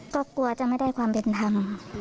ก็กลัวจะไม่ได้ความเป็นธรรม